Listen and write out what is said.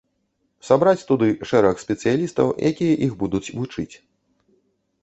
Сабраць туды шэраг спецыялістаў, якія іх будуць вучыць.